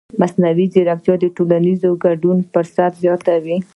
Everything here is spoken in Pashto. مصنوعي ځیرکتیا د ټولنیز ګډون فرصت زیاتوي.